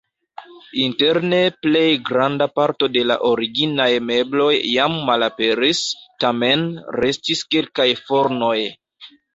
Interne plej granda parto de la originaj mebloj jam malaperis, tamen restis kelkaj fornoj.